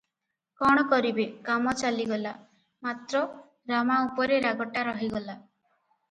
କଣ କରିବେ, କାମ ଚଳିଗଲା; ମାତ୍ର ରାମା ଉପରେ ରାଗଟା ରହିଗଲା ।